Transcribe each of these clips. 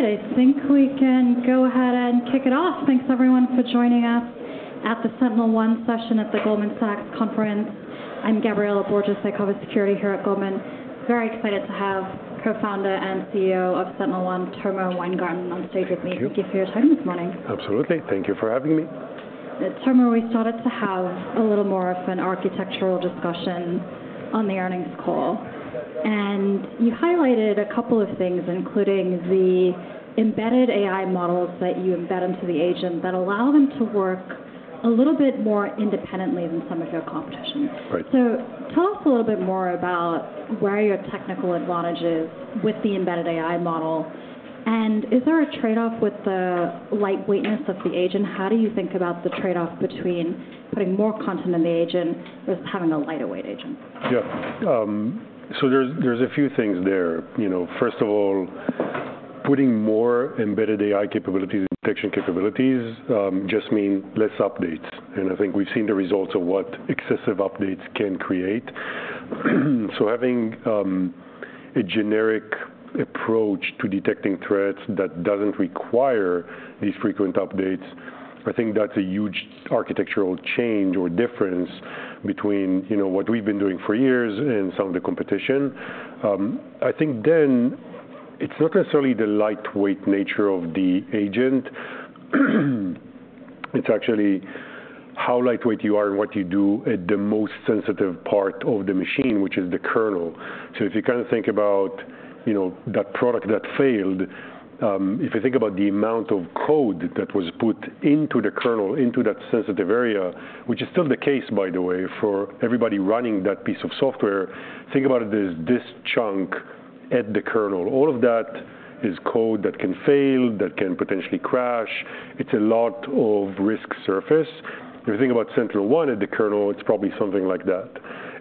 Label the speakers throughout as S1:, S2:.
S1: All right, I think we can go ahead and kick it off. Thanks everyone for joining us at the SentinelOne Session at the Goldman Sachs Conference. I'm Gabriela Borges, I cover Security here at Goldman. Very excited to have Co-founder and CEO of SentinelOne, Tomer Weingarten, on stage with me.
S2: Thank you.
S1: Thank you for your time this morning.
S2: Absolutely. Thank you for having me.
S1: Tomer, we started to have a little more of an architectural discussion on the earnings call, and you highlighted a couple of things, including the embedded AI models that you embed into the agent that allow them to work a little bit more independently than some of your competition.
S2: Right.
S1: So tell us a little bit more about where are your technical advantages with the embedded AI model, and is there a trade-off with the lightweightness of the agent? How do you think about the trade-off between putting more content in the agent versus having a lighter weight agent?
S2: Yeah. So there's a few things there. You know, first of all, putting more embedded AI capabilities and detection capabilities just mean less updates, and I think we've seen the results of what excessive updates can create. So having a generic approach to detecting threats that doesn't require these frequent updates, I think that's a huge architectural change or difference between, you know, what we've been doing for years and some of the competition. I think then, it's not necessarily the lightweight nature of the agent, it's actually how lightweight you are and what you do at the most sensitive part of the machine, which is the kernel. So if you kind of think about, you know, that product that failed, if you think about the amount of code that was put into the kernel, into that sensitive area, which is still the case, by the way, for everybody running that piece of software, think about it as this chunk at the kernel. All of that is code that can fail, that can potentially crash. It's a lot of risk surface. If you think about SentinelOne at the kernel, it's probably something like that,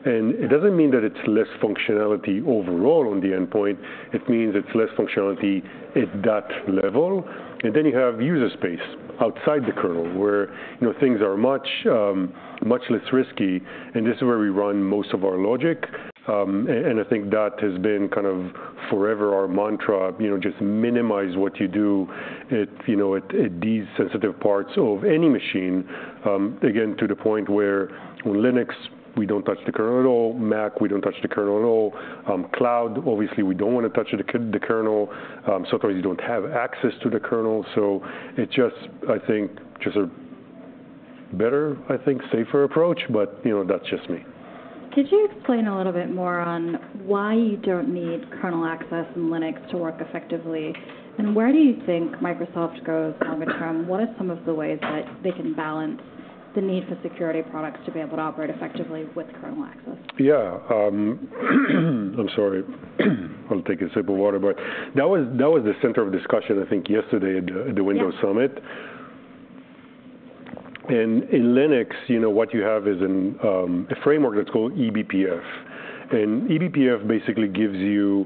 S2: and it doesn't mean that it's less functionality overall on the endpoint. It means it's less functionality at that level. And then you have user space outside the kernel, where, you know, things are much, much less risky, and this is where we run most of our logic. And I think that has been kind of forever our mantra. You know, just minimize what you do at, you know, these sensitive parts of any machine. Again, to the point where on Linux, we don't touch the kernel at all. Mac, we don't touch the kernel at all. Cloud, obviously, we don't want to touch it, the kernel. So far you don't have access to the kernel, so it's just, I think, a better, I think, safer approach, but, you know, that's just me.
S1: Could you explain a little bit more on why you don't need kernel access in Linux to work effectively, and where do you think Microsoft goes from it, from what are some of the ways that they can balance the need for security products to be able to operate effectively with kernel access?
S2: Yeah, I'm sorry. I'll take a sip of water. But that was the center of discussion, I think, yesterday at the-
S1: Yeah...
S2: the Windows Summit. And in Linux, you know, what you have is a framework that's called eBPF, and eBPF basically gives you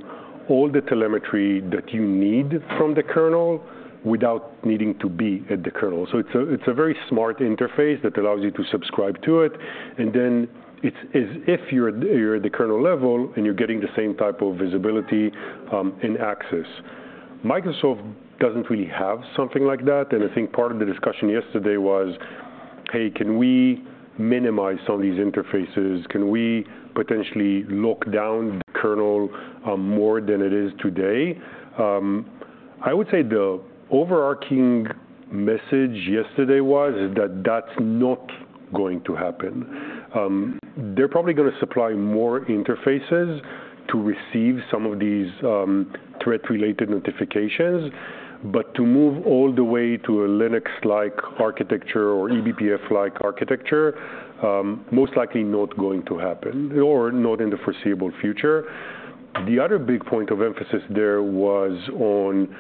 S2: all the telemetry that you need from the kernel without needing to be at the kernel. So it's a very smart interface that allows you to subscribe to it, and then it's as if you're at the kernel level, and you're getting the same type of visibility and access. Microsoft doesn't really have something like that, and I think part of the discussion yesterday was, "Hey, can we minimize some of these interfaces? Can we potentially lock down the kernel more than it is today?" I would say the overarching message yesterday was that that's not going to happen. They're probably gonna supply more interfaces to receive some of these threat-related notifications, but to move all the way to a Linux-like architecture or eBPF-like architecture, most likely not going to happen, or not in the foreseeable future. The other big point of emphasis there was on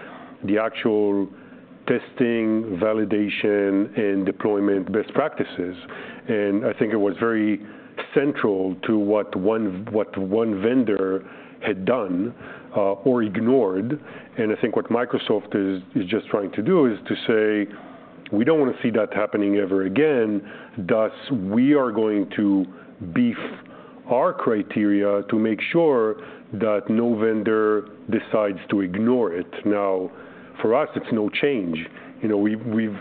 S2: the actual testing, validation, and deployment best practices, and I think it was very central to what one vendor had done or ignored. I think what Microsoft is just trying to do is to say: We don't want to see that happening ever again, thus, we are going to beef our criteria to make sure that no vendor decides to ignore it. Now, for us, it's no change. You know, we've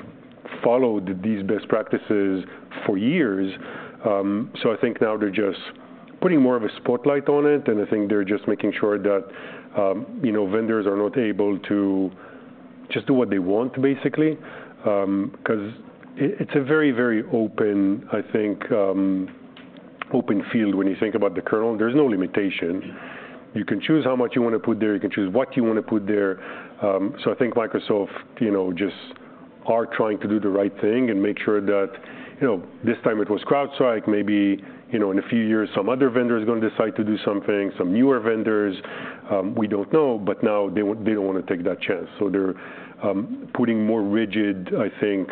S2: followed these best practices for years. So I think now they're just putting more of a spotlight on it, and I think they're just making sure that, you know, vendors are not able to just do what they want, basically. 'Cause it, it's a very, very open, I think, open field when you think about the kernel. There's no limitation. You can choose how much you want to put there, you can choose what you want to put there. So I think Microsoft, you know, just are trying to do the right thing and make sure that, you know, this time it was CrowdStrike, maybe, you know, in a few years, some other vendor is going to decide to do something, some newer vendors, we don't know, but now they won't - they don't want to take that chance. They're putting more rigid, I think,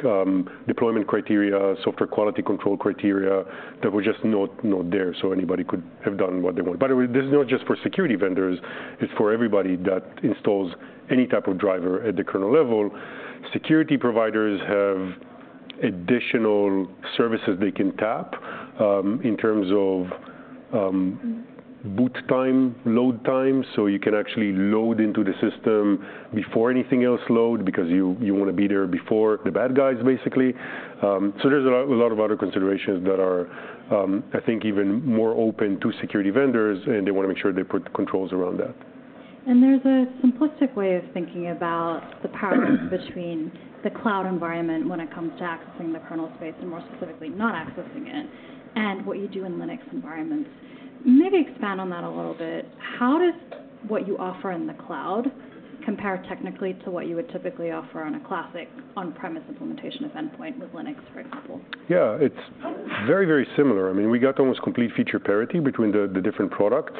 S2: deployment criteria, software quality control criteria that were just not there, so anybody could have done what they want. By the way, this is not just for security vendors, it's for everybody that installs any type of driver at the kernel level. Security providers have additional services they can tap in terms of boot time, load time, so you can actually load into the system before anything else load because you want to be there before the bad guys, basically. So there's a lot of other considerations that are, I think even more open to security vendors, and they want to make sure they put controls around that.
S1: There's a simplistic way of thinking about the power between the cloud environment when it comes to accessing the kernel space, and more specifically, not accessing it, and what you do in Linux environments. Maybe expand on that a little bit. How does what you offer in the cloud compare technically to what you would typically offer on a classic on-premises implementation of endpoint with Linux, for example?
S2: Yeah, it's very, very similar. I mean, we got almost complete feature parity between the different products.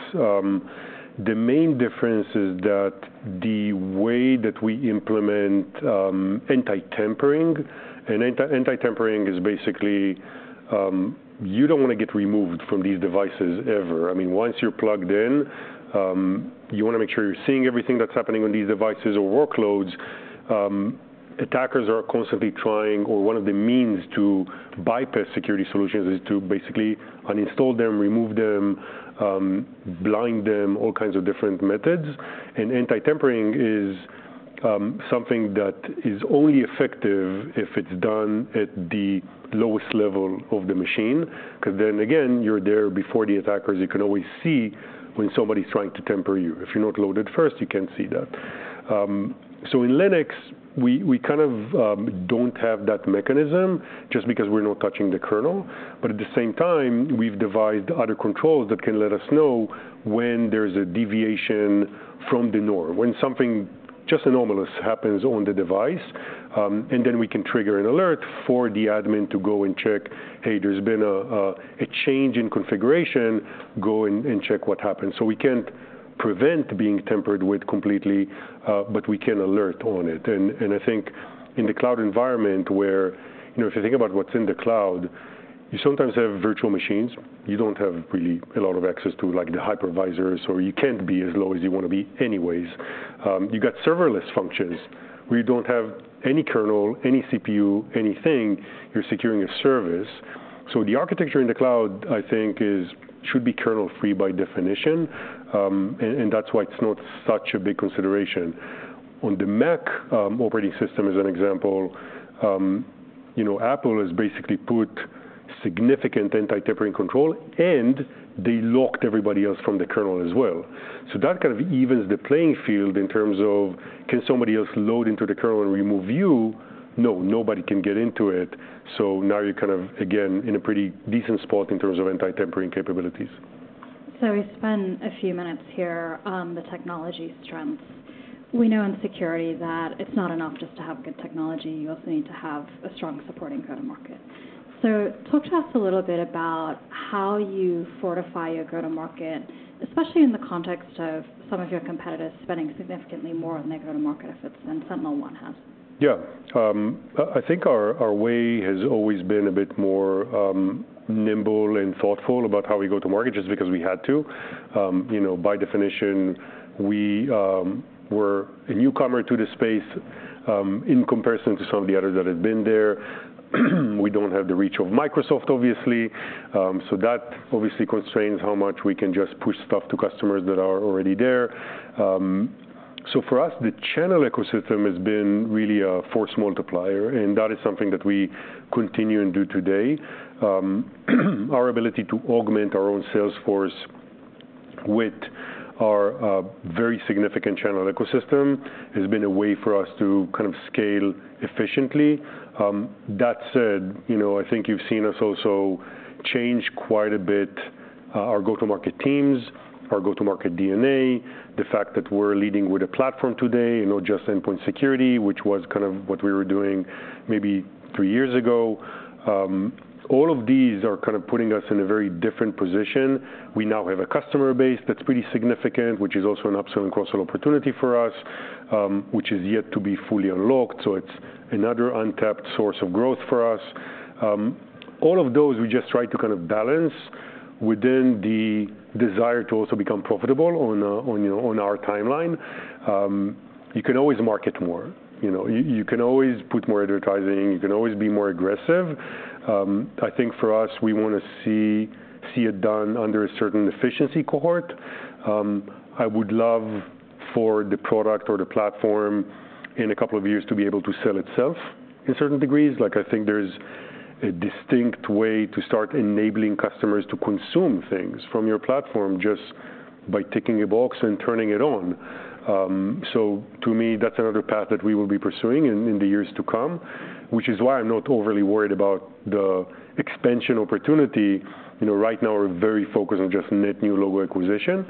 S2: The main difference is that the way that we implement anti-tampering, and anti-tampering is basically you don't want to get removed from these devices ever. I mean, once you're plugged in, you want to make sure you're seeing everything that's happening on these devices or workloads. Attackers are constantly trying, or one of the means to bypass security solutions is to basically uninstall them, remove them, blind them, all kinds of different methods. And anti-tampering is something that is only effective if it's done at the lowest level of the machine, 'cause then again, you're there before the attackers. You can always see when somebody's trying to tamper you. If you're not loaded first, you can't see that. So in Linux, we kind of don't have that mechanism just because we're not touching the kernel, but at the same time, we've devised other controls that can let us know when there's a deviation from the norm, when something just anomalous happens on the device. And then we can trigger an alert for the admin to go and check, "Hey, there's been a change in configuration. Go and check what happened." So we can't prevent being tampered with completely, but we can alert on it. And I think in the cloud environment where... You know, if you think about what's in the cloud, you sometimes have virtual machines. You don't have really a lot of access to, like, the hypervisors, or you can't be as low as you want to be anyways. You got serverless functions, where you don't have any kernel, any CPU, anything. You're securing a service. So the architecture in the cloud, I think is, should be kernel-free by definition, and that's why it's not such a big consideration. On the Mac operating system, as an example, you know, Apple has basically put significant anti-tampering control, and they locked everybody else from the kernel as well. So that kind of evens the playing field in terms of, can somebody else load into the kernel and remove you? No, nobody can get into it, so now you're kind of, again, in a pretty decent spot in terms of anti-tampering capabilities.
S1: So we spent a few minutes here on the technology strengths. We know in security that it's not enough just to have good technology. You also need to have a strong supporting go-to-market. So talk to us a little bit about how you fortify your go-to-market, especially in the context of some of your competitors spending significantly more on their go-to-market efforts than SentinelOne has.
S2: Yeah. I think our way has always been a bit more nimble and thoughtful about how we go to market, just because we had to. You know, by definition, we were a newcomer to the space in comparison to some of the others that had been there. We don't have the reach of Microsoft, obviously, so that obviously constrains how much we can just push stuff to customers that are already there. So for us, the channel ecosystem has been really a force multiplier, and that is something that we continue and do today. Our ability to augment our own sales force with our very significant channel ecosystem has been a way for us to kind of scale efficiently. That said, you know, I think you've seen us also change quite a bit, our go-to-market teams, our go-to-market DNA, the fact that we're leading with a platform today, and not just endpoint security, which was kind of what we were doing maybe three years ago. All of these are kind of putting us in a very different position. We now have a customer base that's pretty significant, which is also an upsell and cross-sell opportunity for us, which is yet to be fully unlocked, so it's another untapped source of growth for us. All of those, we just try to kind of balance within the desire to also become profitable on, you know, on our timeline. You can always market more. You know, you can always put more advertising. You can always be more aggressive. I think for us, we want to see it done under a certain efficiency cohort. I would love for the product or the platform, in a couple of years, to be able to sell itself in certain degrees. Like, I think there's a distinct way to start enabling customers to consume things from your platform just by ticking a box and turning it on. So to me, that's another path that we will be pursuing in the years to come, which is why I'm not overly worried about the expansion opportunity. You know, right now, we're very focused on just net new logo acquisition.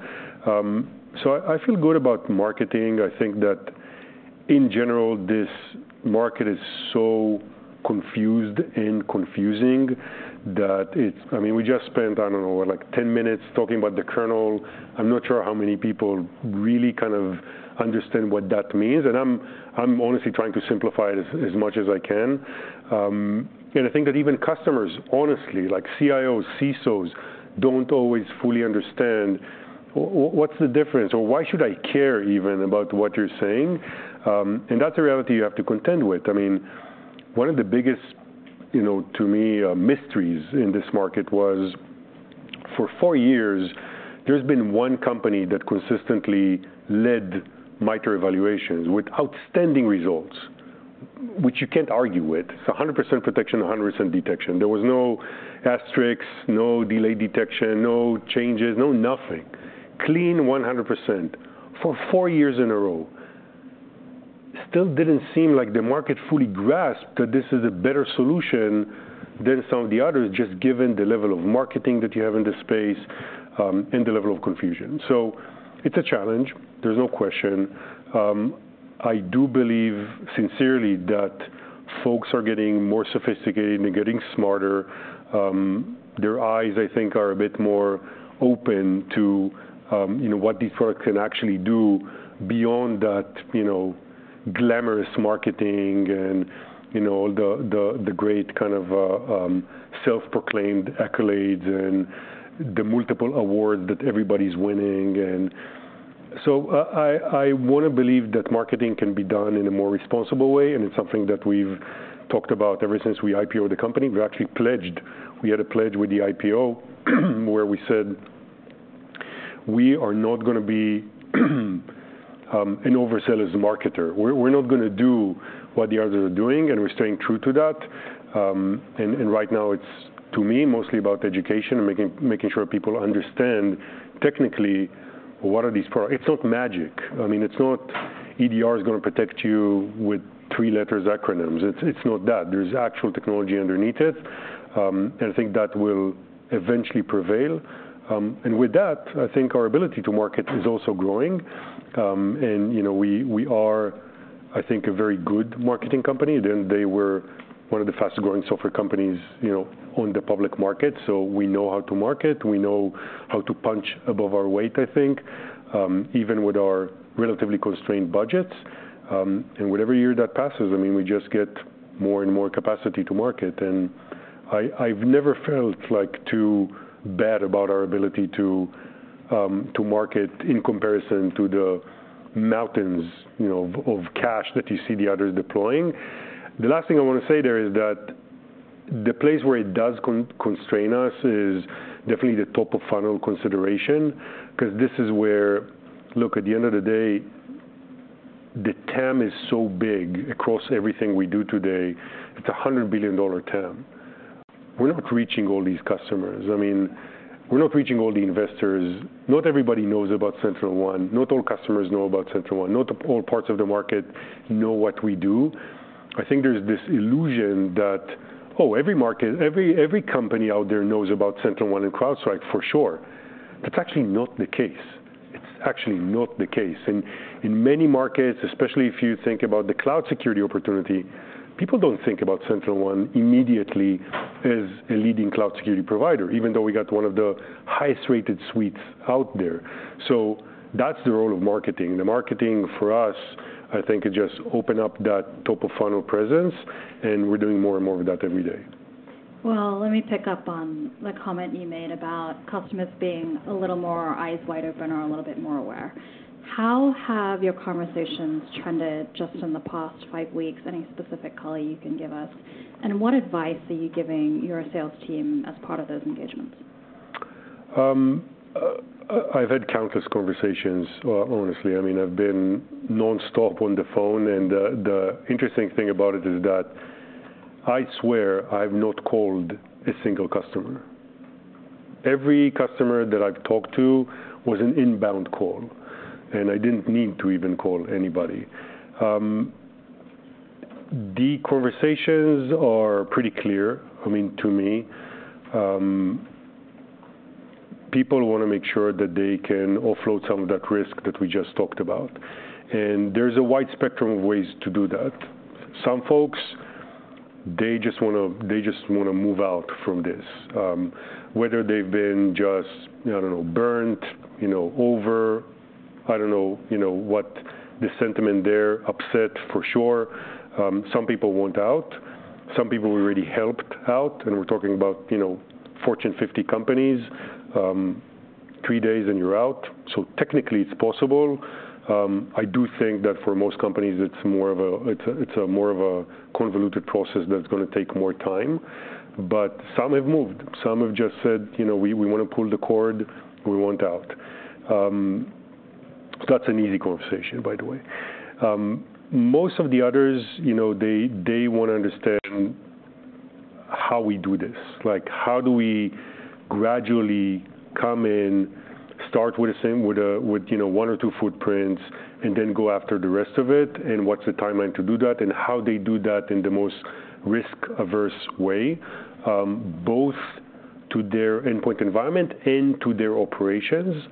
S2: So I feel good about marketing. I think that, in general, this market is so confused and confusing that it's. I mean, we just spent, I don't know, like, 10 minutes talking about the kernel. I'm not sure how many people really kind of understand what that means, and I'm honestly trying to simplify it as much as I can, and I think that even customers, honestly, like CIOs, CISOs, don't always fully understand what's the difference, or why should I care even about what you're saying, and that's a reality you have to contend with. I mean, one of the biggest, you know, to me, mysteries in this market was, for four years, there's been one company that consistently led MITRE evaluations with outstanding results, which you can't argue with. It's 100% protection, 100% detection. There was no asterisks, no delayed detection, no changes, no nothing. Clean 100% for four years in a row. Still didn't seem like the market fully grasped that this is a better solution than some of the others, just given the level of marketing that you have in this space, and the level of confusion. So it's a challenge, there's no question. I do believe sincerely that folks are getting more sophisticated and getting smarter. Their eyes, I think, are a bit more open to, you know, what these products can actually do beyond that, you know, glamorous marketing and, you know, all the great kind of self-proclaimed accolades and the multiple awards that everybody's winning. And so I want to believe that marketing can be done in a more responsible way, and it's something that we've talked about ever since we IPO-ed the company. We actually pledged. We had a pledge with the IPO, where we said we are not gonna be an oversellers marketer. We're not gonna do what the others are doing, and we're staying true to that. Right now it's, to me, mostly about education and making sure people understand technically what are these products. It's not magic. I mean, it's not EDR is gonna protect you with three-letter acronyms. It's not that. There's actual technology underneath it, and I think that will eventually prevail. With that, I think our ability to market is also growing. You know, we are, I think, a very good marketing company, and they were one of the fastest growing software companies, you know, on the public market. So we know how to market, we know how to punch above our weight, I think, even with our relatively constrained budgets. And with every year that passes, I mean, we just get more and more capacity to market, and I, I've never felt, like, too bad about our ability to market in comparison to the mountains, you know, of cash that you see the others deploying. The last thing I want to say there is that the place where it does constrain us is definitely the top-of-funnel consideration, 'cause this is where. Look, at the end of the day, the TAM is so big across everything we do today. It's a $100 billion TAM. We're not reaching all these customers. I mean, we're not reaching all the investors. Not everybody knows about SentinelOne. Not all customers know about SentinelOne. Not all parts of the market know what we do. I think there's this illusion that, oh, every market, every, every company out there knows about SentinelOne and CrowdStrike for sure. That's actually not the case. It's actually not the case, and in many markets, especially if you think about the cloud security opportunity, people don't think about SentinelOne immediately as a leading cloud security provider, even though we got one of the highest-rated suites out there. So that's the role of marketing. The marketing, for us, I think, is just open up that top-of-funnel presence, and we're doing more and more of that every day.
S1: Let me pick up on the comment you made about customers being a little more eyes wide open or a little bit more aware. How have your conversations trended just in the past five weeks? Any specific color you can give us, and what advice are you giving your sales team as part of those engagements?
S2: I've had countless conversations, honestly. I mean, I've been nonstop on the phone, and the interesting thing about it is that I swear I've not called a single customer. Every customer that I've talked to was an inbound call, and I didn't need to even call anybody. The conversations are pretty clear, I mean, to me. People wanna make sure that they can offload some of that risk that we just talked about, and there's a wide spectrum of ways to do that. Some folks just wanna move out from this, whether they've been just burnt, you know, over. I don't know, what the sentiment there, upset, for sure. Some people want out. Some people we already helped out, and we're talking about, you know, Fortune 50 companies. Three days and you're out, so technically it's possible. I do think that for most companies, it's more of a convoluted process that's gonna take more time. But some have moved. Some have just said, "You know, we wanna pull the cord. We want out." That's an easy conversation, by the way. Most of the others, you know, they wanna understand how we do this. Like, how do we gradually come in, start with, with, you know, one or two footprints and then go after the rest of it, and what's the timeline to do that? And how they do that in the most risk-averse way, both to their endpoint environment and to their operations.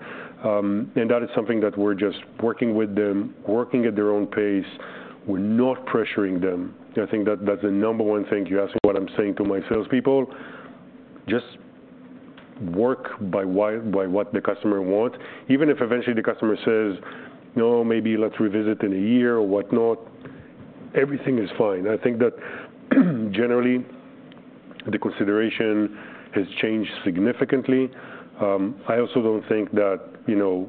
S2: And that is something that we're just working with them, working at their own pace. We're not pressuring them. I think that that's the number one thing you ask me, what I'm saying to my salespeople, "Just work by what the customer want." Even if eventually the customer says, "No, maybe let's revisit in a year or whatnot," everything is fine. I think that, generally, the consideration has changed significantly. I also don't think that, you know,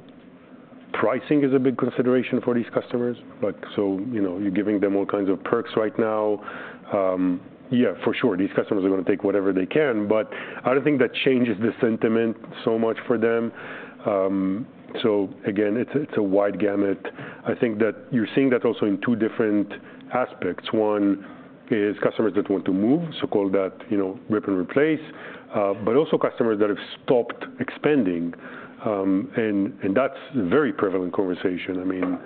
S2: pricing is a big consideration for these customers. Like, so, you know, you're giving them all kinds of perks right now, yeah, for sure, these customers are gonna take whatever they can, but I don't think that changes the sentiment so much for them. So again, it's a, it's a wide gamut. I think that you're seeing that also in two different aspects. One is customers that want to move, so call that, you know, rip and replace, but also customers that have stopped expanding, and that's a very prevalent conversation. I mean,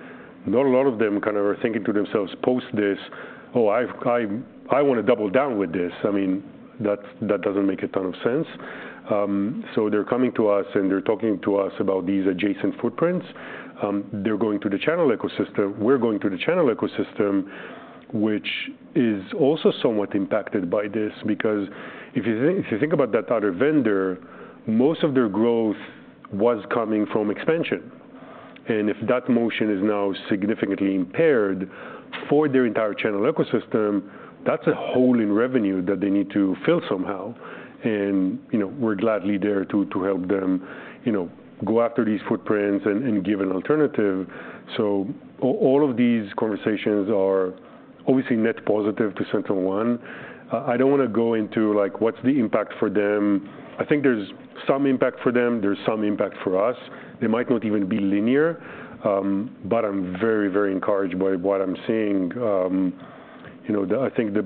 S2: not a lot of them kind of are thinking to themselves, post this: "Oh, I wanna double down with this." I mean, that doesn't make a ton of sense, so they're coming to us, and they're talking to us about these adjacent footprints. They're going to the channel ecosystem, we're going to the channel ecosystem, which is also somewhat impacted by this. Because if you think about that other vendor, most of their growth was coming from expansion, and if that motion is now significantly impaired for their entire channel ecosystem, that's a hole in revenue that they need to fill somehow. You know, we're gladly there to help them, you know, go after these footprints and give an alternative. So all of these conversations are obviously net positive to SentinelOne. I don't wanna go into, like, what's the impact for them? I think there's some impact for them, there's some impact for us. They might not even be linear, but I'm very, very encouraged by what I'm seeing. You know, I think the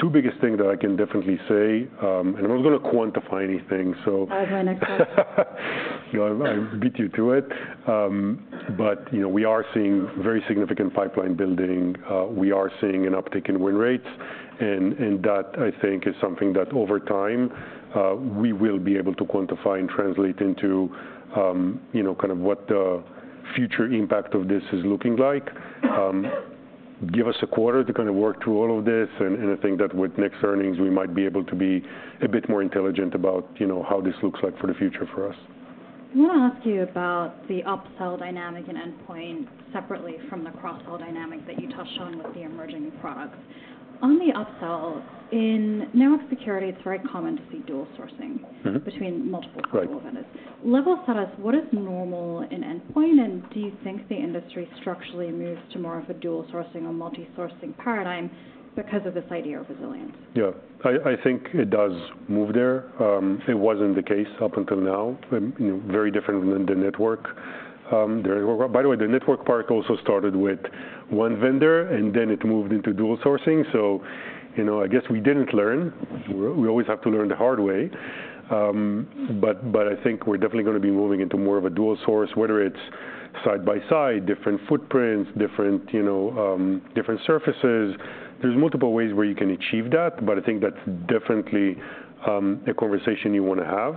S2: two biggest things that I can definitely say, and I'm not gonna quantify anything, so-
S1: I was gonna ask-
S2: Yeah, I beat you to it, but, you know, we are seeing very significant pipeline building. We are seeing an uptick in win rates, and that, I think, is something that over time we will be able to quantify and translate into, you know, kind of what the future impact of this is looking like. Give us a quarter to kind of work through all of this, and I think that with next earnings, we might be able to be a bit more intelligent about, you know, how this looks like for the future for us.
S1: I want to ask you about the upsell dynamic and endpoint separately from the cross-sell dynamic that you touched on with the emerging products. On the upsell, in network security, it's very common to see dual sourcing-
S2: Mm-hmm.
S1: between multiple cloud vendors.
S2: Right.
S1: Level set us, what is normal in endpoint, and do you think the industry structurally moves to more of a dual sourcing or multi-sourcing paradigm because of this idea of resilience?
S2: Yeah. I, I think it does move there. It wasn't the case up until now, and, you know, very different than the network. By the way, the network part also started with one vendor, and then it moved into dual sourcing. So, you know, I guess we didn't learn. We always have to learn the hard way. But, but I think we're definitely gonna be moving into more of a dual source, whether it's side by side, different footprints, different, you know, different surfaces. There's multiple ways where you can achieve that, but I think that's definitely a conversation you wanna have.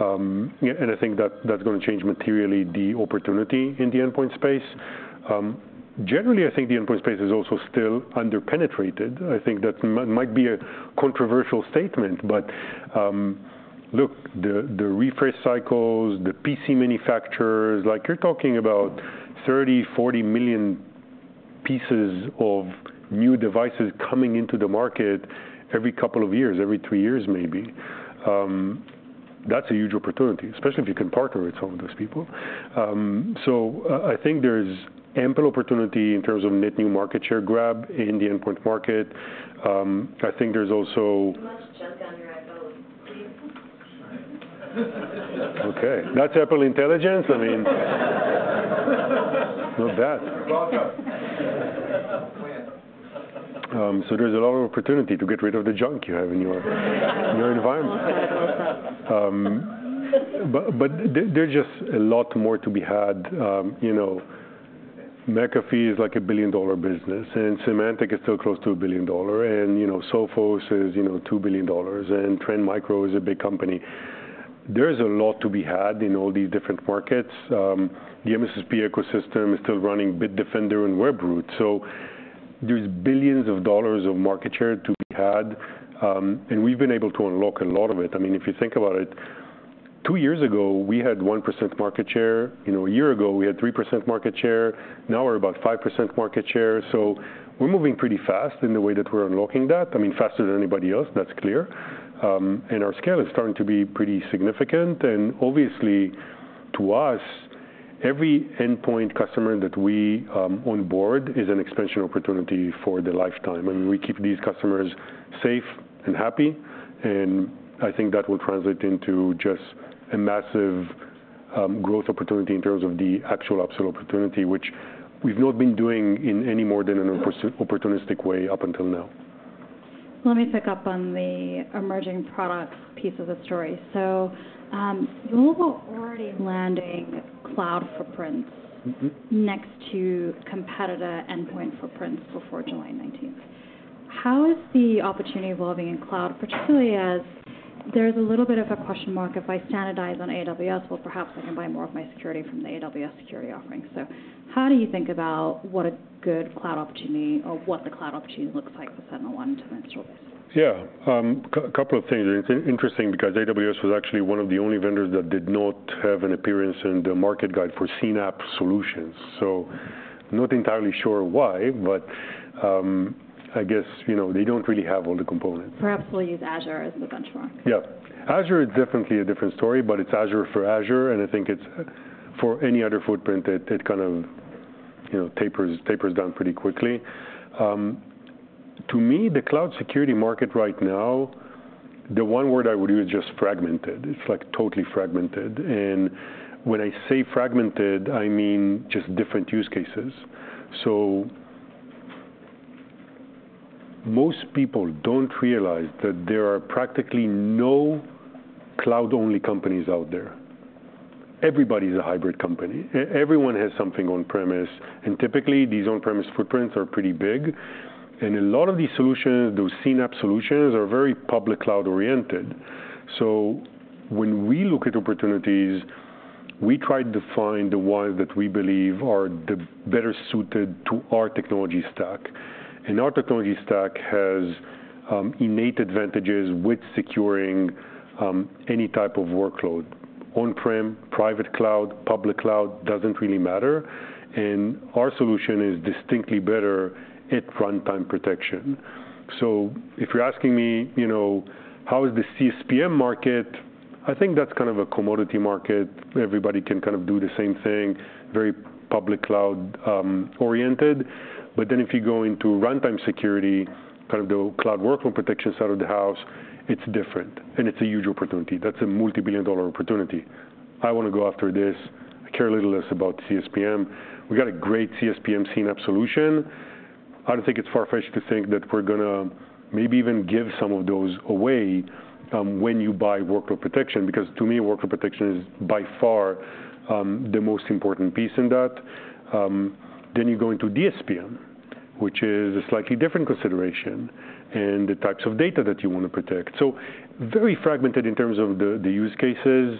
S2: Yeah, and I think that that's gonna change materially the opportunity in the endpoint space. Generally, I think the endpoint space is also still under-penetrated. I think that might be a controversial statement, but, look, the, the refresh cycles, the PC manufacturers, like, you're talking about 30, 40 million pieces of new devices coming into the market every couple of years, every three years, maybe. That's a huge opportunity, especially if you can partner with some of those people. So, I think there's ample opportunity in terms of net new market share grab in the endpoint market. I think there's also-
S1: You have much junk on your iPhone.
S2: Okay. That's Apple Intelligence? I mean, not bad.
S1: Welcome.
S2: So there's a lot of opportunity to get rid of the junk you have in your environment, but there's just a lot more to be had. You know, McAfee is, like, a $1 billion-dollar business, and Symantec is still close to $1 billion, and, you know, Sophos is, you know, $2 billion, and Trend Micro is a big company. There is a lot to be had in all these different markets. The MSSP ecosystem is still running Bitdefender and Webroot, so there's billions of dollars of market share to be had, and we've been able to unlock a lot of it. I mean, if you think about it, two years ago, we had 1% market share. You know, a year ago, we had 3% market share. Now we're about 5% market share, so we're moving pretty fast in the way that we're unlocking that, I mean, faster than anybody else, that's clear. And our scale is starting to be pretty significant, and obviously, to us, every endpoint customer that we onboard is an expansion opportunity for the lifetime. And we keep these customers safe and happy, and I think that will translate into just a massive growth opportunity in terms of the actual upsell opportunity, which we've not been doing in any more than an opportunistic way up until now.
S1: Let me pick up on the emerging products piece of the story. So, Google already landing cloud footprints-
S2: Mm-hmm.
S1: Next to competitor endpoint footprints before July 19th. How is the opportunity evolving in cloud, particularly as there's a little bit of a question mark if I standardize on AWS? Well, perhaps I can buy more of my security from the AWS security offerings. So how do you think about what a good cloud opportunity or what the cloud opportunity looks like for SentinelOne to venture this?
S2: Yeah. Couple of things. It's interesting because AWS was actually one of the only vendors that did not have an appearance in the market guide for CNAPP solutions. So not entirely sure why, but I guess, you know, they don't really have all the components. Perhaps we'll use Azure as the benchmark. Yeah. Azure is definitely a different story, but it's Azure for Azure, and I think it's, for any other footprint, it kind of, you know, tapers down pretty quickly. To me, the cloud security market right now, the one word I would use, just fragmented. It's, like, totally fragmented. And when I say fragmented, I mean just different use cases. So most people don't realize that there are practically no cloud-only companies out there. Everybody's a hybrid company. Everyone has something on-premise, and typically, these on-premise footprints are pretty big. And a lot of these solutions, those CNAPP solutions, are very public cloud oriented. So when we look at opportunities, we try to find the ones that we believe are the better suited to our technology stack. And our technology stack has innate advantages with securing any type of workload. On-prem, private cloud, public cloud, doesn't really matter, and our solution is distinctly better at runtime protection, so if you're asking me, you know, how is the CSPM market, I think that's kind of a commodity market, everybody can kind of do the same thing, very public cloud-oriented. But then if you go into runtime security, kind of the cloud workload protection side of the house, it's different, and it's a huge opportunity. That's a multi-billion dollar opportunity. I wanna go after this. I care little less about CSPM. We've got a great CSPM CNAPP solution. I don't think it's far-fetched to think that we're gonna maybe even give some of those away, when you buy workload protection, because to me, workload protection is by far, the most important piece in that. Then you go into DSPM, which is a slightly different consideration, and the types of data that you want to protect, so very fragmented in terms of the use cases.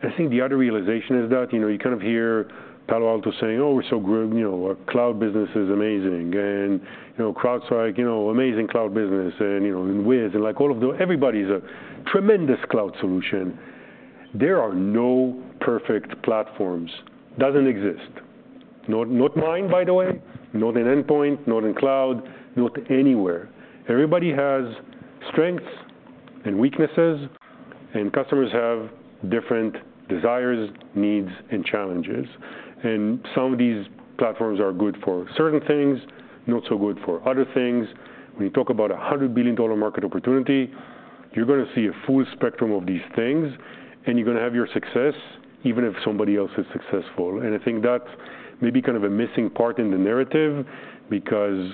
S2: I think the other realization is that, you know, you kind of hear Palo Alto saying, "Oh, we're so growing, you know, our cloud business is amazing," and, you know, CrowdStrike, you know, amazing cloud business, and, you know, and Wiz, and like, all of the... Everybody's a tremendous cloud solution. There are no perfect platforms. Doesn't exist. Not mine, by the way, not in endpoint, not in cloud, not anywhere. Everybody has strengths and weaknesses, and customers have different desires, needs, and challenges, and some of these platforms are good for certain things, not so good for other things. When you talk about a $100 billion market opportunity, you're gonna see a full spectrum of these things, and you're gonna have your success even if somebody else is successful, and I think that's maybe kind of a missing part in the narrative because,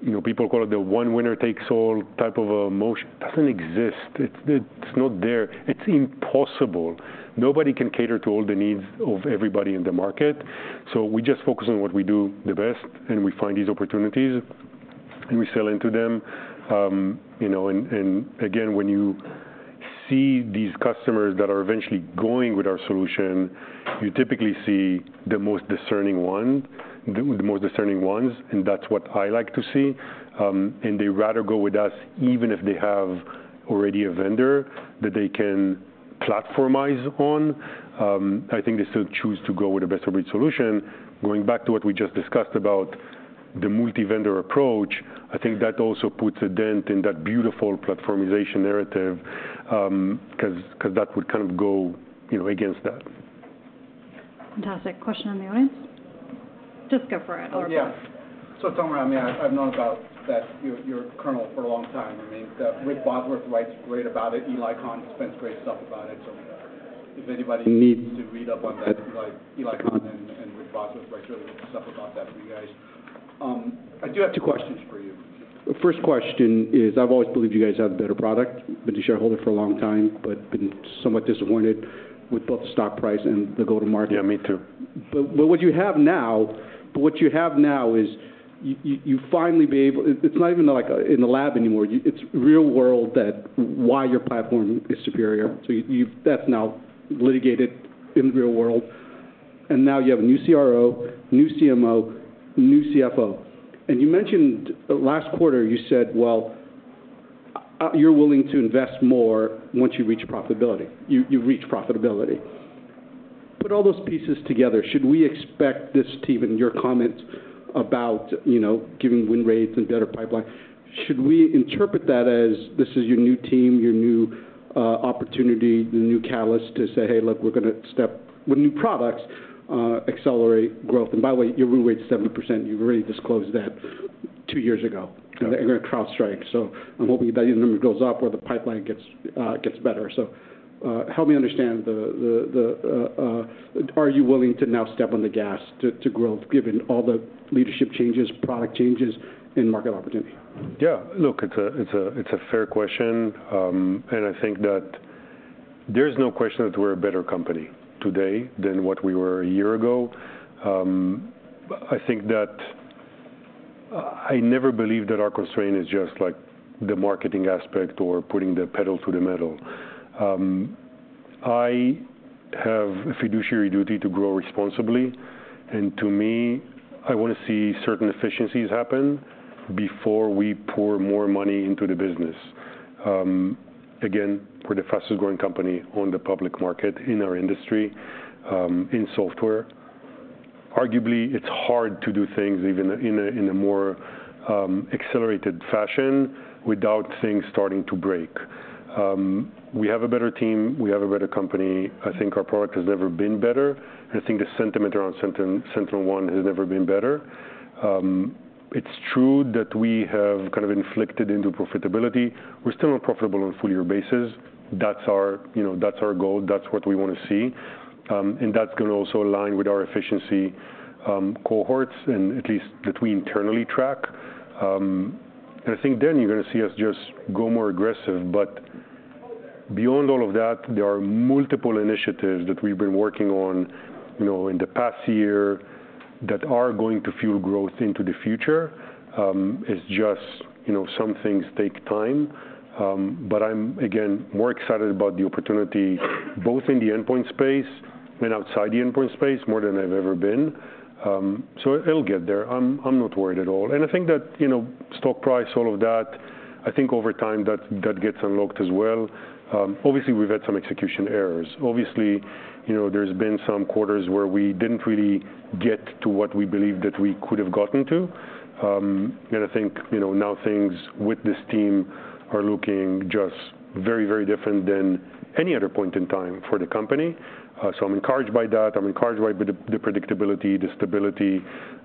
S2: you know, people call it the one winner takes all type of emotion. Doesn't exist. It's not there. It's impossible. Nobody can cater to all the needs of everybody in the market, so we just focus on what we do the best, and we find these opportunities, and we sell into them. You know, and again, when you see these customers that are eventually going with our solution, you typically see the most discerning one, the most discerning ones, and that's what I like to see. And they rather go with us, even if they have already a vendor that they can platformize on. I think they still choose to go with a best-of-breed solution. Going back to what we just discussed about the multi-vendor approach, I think that also puts a dent in that beautiful platformization narrative, 'cause that would kind of go, you know, against that.
S1: Fantastic. Question in the audience? Just go for it. Oh, yeah. So Tomer, I mean, I've known about that, your kernel for a long time. I mean, Rick Bosworth writes great about it. Ely Kahn says great stuff about it. So if anybody needs to read up on that, Ely Kahn and Rick Bosworth write really good stuff about that for you guys. I do have two questions for you. The first question is, I've always believed you guys have the better product. Been a shareholder for a long time, but been somewhat disappointed with both the stock price and the go-to-market.
S2: Yeah, me too. But what you have now is you finally be able. It's not even, like, in the lab anymore. It's real world that why your platform is superior. So you've, that's now litigated in the real world, and now you have a new CRO, new CMO, new CFO. And you mentioned, last quarter, you said, well, you're willing to invest more once you reach profitability. You reach profitability. Put all those pieces together, should we expect this team and your comments about, you know, giving win rates and better pipeline, should we interpret that as this is your new team, your new opportunity, your new catalyst to say, "Hey, look, we're gonna step with new products, accelerate growth?" And by the way, your win rate's 70%. You've already disclosed that two years ago- Okay. in CrowdStrike. So I'm hoping that either the number goes up or the pipeline gets better. So, help me understand, are you willing to now step on the gas to growth, given all the leadership changes, product changes, and market opportunity? Yeah. Look, it's a fair question. I think that there's no question that we're a better company today than what we were a year ago. I think that I never believed that our constraint is just, like, the marketing aspect or putting the pedal to the metal. I have a fiduciary duty to grow responsibly, and to me, I wanna see certain efficiencies happen before we pour more money into the business. Again, we're the fastest growing company on the public market in our industry, in software. Arguably, it's hard to do things even in a more accelerated fashion without things starting to break. We have a better team. We have a better company. I think our product has never been better, and I think the sentiment around SentinelOne has never been better. It's true that we have kind of inflected into profitability. We're still not profitable on a full-year basis. That's our, you know, that's our goal, that's what we wanna see, and that's gonna also align with our efficiency cohorts, and at least that we internally track. I think then you're gonna see us just go more aggressive, but beyond all of that, there are multiple initiatives that we've been working on, you know, in the past year, that are going to fuel growth into the future. It's just, you know, some things take time, but I'm again more excited about the opportunity, both in the endpoint space and outside the endpoint space, more than I've ever been, so it, it'll get there. I'm not worried at all. And I think that, you know, stock price, all of that, I think over time, that gets unlocked as well. Obviously, we've had some execution errors. Obviously, you know, there's been some quarters where we didn't really get to what we believed that we could have gotten to, and I think, you know, now things with this team are looking just very, very different than any other point in time for the company, so I'm encouraged by that. I'm encouraged by the predictability, the stability,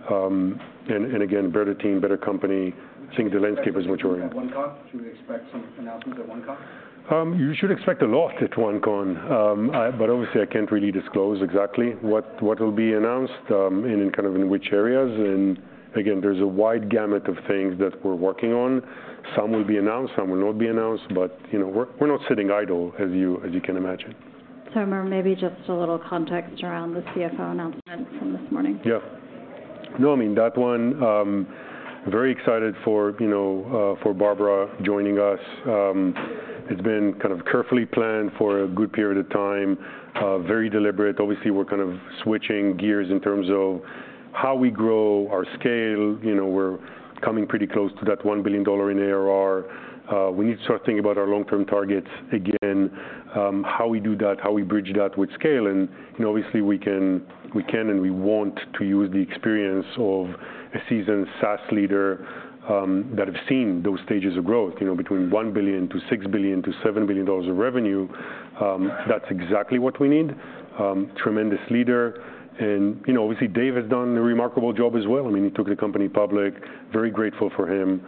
S2: and again, better team, better company. I think the landscape is mature here. At OneCon, should we expect some announcements at OneCon? You should expect a lot at OneCon. But obviously I can't really disclose exactly what will be announced, and in kind of which areas. Again, there's a wide gamut of things that we're working on. Some will be announced, some will not be announced, but you know, we're not sitting idle, as you can imagine.
S1: Tomer, maybe just a little context around the CFO announcement from this morning.
S2: Yeah. No, I mean, that one, very excited for, you know, for Barbara joining us. It's been kind of carefully planned for a good period of time, very deliberate. Obviously, we're kind of switching gears in terms of how we grow our scale. You know, we're coming pretty close to that $1 billion in ARR. We need to start thinking about our long-term targets again, how we do that, how we bridge that with scale, and, you know, obviously we can, we can and we want to use the experience of a seasoned SaaS leader, that have seen those stages of growth. You know, between $1 billion-$6 billion-$7 billion dollars of revenue, that's exactly what we need. Tremendous leader, and you know, obviously Dave has done a remarkable job as well. I mean, he took the company public. Very grateful for him.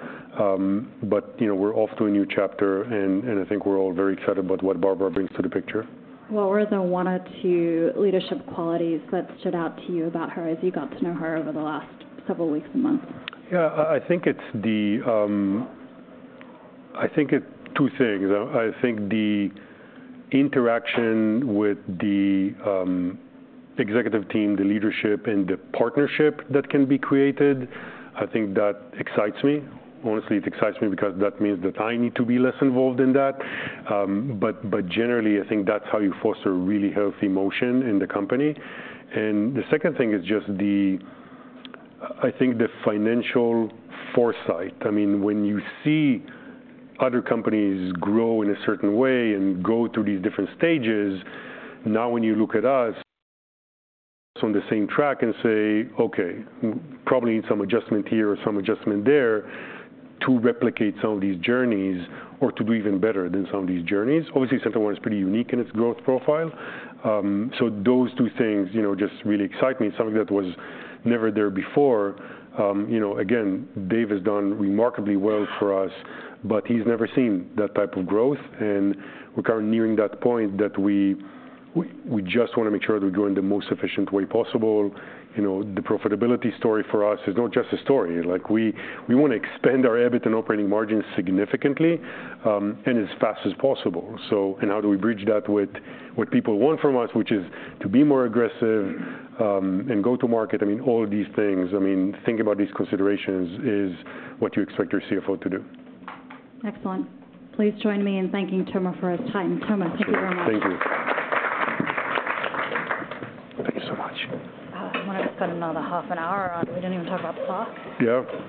S2: But, you know, we're off to a new chapter, and I think we're all very excited about what Barbara brings to the picture.
S1: What are the one or two leadership qualities that stood out to you about her as you got to know her over the last several weeks and months?
S2: Yeah, I think it's two things. I think the interaction with the executive team, the leadership, and the partnership that can be created. I think that excites me. Honestly, it excites me because that means that I need to be less involved in that. But generally, I think that's how you foster a really healthy motion in the company. And the second thing is just the financial foresight. I mean, when you see other companies grow in a certain way and go through these different stages, now when you look at us on the same track and say, "Okay, probably need some adjustment here or some adjustment there" to replicate some of these journeys or to do even better than some of these journeys. Obviously, SentinelOne is pretty unique in its growth profile. So those two things, you know, just really excite me, something that was never there before. You know, again, Dave has done remarkably well for us, but he's never seen that type of growth, and we're kind of nearing that point that we just wanna make sure that we're growing the most efficient way possible. You know, the profitability story for us is not just a story. Like, we wanna expand our EBITDA and operating margins significantly, and as fast as possible, and how do we bridge that with what people want from us, which is to be more aggressive, and go to market? I mean, all of these things, I mean, think about these considerations, is what you expect your CFO to do.
S1: Excellent. Please join me in thanking Tomer for his time. Tomer, thank you very much.
S2: Thank you. Thank you so much.
S1: I wanna spend another half an hour on-- we didn't even talk about the stock.
S2: Yeah.